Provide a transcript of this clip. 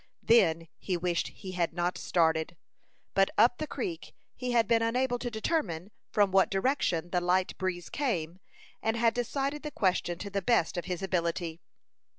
Then he wished he had not started; but up the creek he had been unable to determine from what direction the light breeze came, and had decided the question to the best of his ability.